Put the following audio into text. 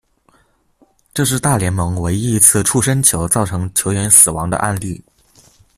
这是大联盟唯一一次触身球造成球员死亡的案例。